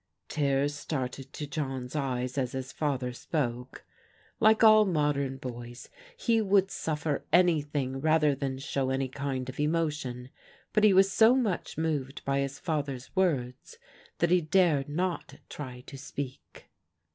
Tears started to John's eyes as his father spoke. Like all modem boys he would suffer anything rather than show any kind of emotion, but he was so much moved by his father's words that he dared not try to speak.